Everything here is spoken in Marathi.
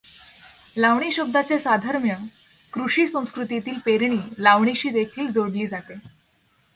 लावणी शब्दाचे साधर्म्य कृषी संस्कृतीतील पेरणी, लावणीशी देखील जोडली जाते.